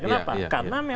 kenapa karena memang